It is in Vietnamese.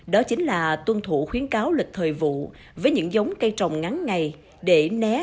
đó chính là tuân thủ khuyến cáo lịch thời vụ với những giống cây trồng ngắn ngày để né